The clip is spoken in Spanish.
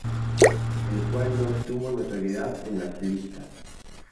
El cual no obtuvo notoriedad en las listas.